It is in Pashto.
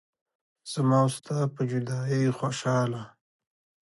زما او ستا په جدايۍ خوشحاله